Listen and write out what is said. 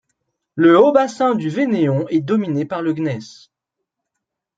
Le haut bassin du Vénéon est dominé par le gneiss.